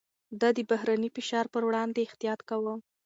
ده د بهرني فشار پر وړاندې احتياط کاوه.